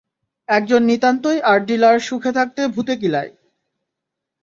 আমি একজন নিতান্তই আর্ট ডিলার সুখে থাকতে ভূতে কিলায়।